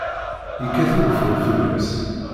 Yekkat ugeffur fell-as.